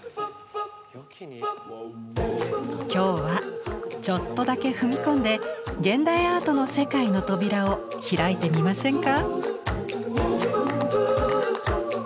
今日はちょっとだけ踏み込んで現代アートの世界の扉を開いてみませんか？